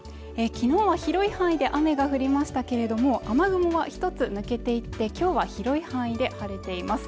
きのうは広い範囲で雨が降りましたけれども雨雲が１つ抜けていってきょうは広い範囲で晴れています